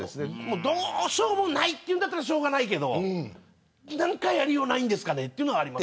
どうしようもないというならしょうがないけど何かやりようないんですかねというのが。